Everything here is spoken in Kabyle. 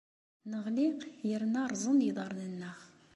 Neɣli yerna rrẓen yiḍarren-nneɣ.